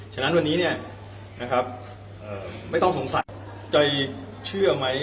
ฉะนั้นวันนี้เนี่ยนะครับไม่ต้องสงสัยใจเชื่อไหม